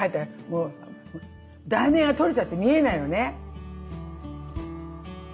もう題名が取れちゃって見えないのね。